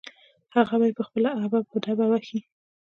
هغه يې په خپله ابه په دبه وهي.